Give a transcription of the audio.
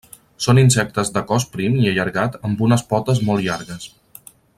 Són insectes de cos prim i allargat amb unes potes molt llargues.